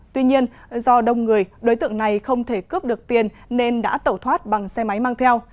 tuy nhiên do đông người đối tượng này không thể cướp được tiền nên đã tẩu thoát bằng xe máy mang theo